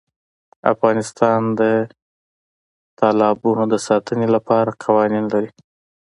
افغانستان د تالابونه د ساتنې لپاره قوانین لري.